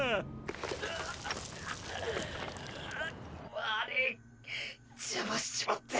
悪ぃ邪魔しちまって。